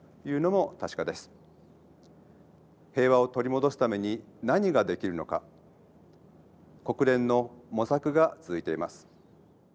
平和を取り戻すために何ができるのか国連の模索が続いています。